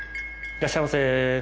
いらっしゃいませ。